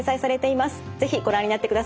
是非ご覧になってください。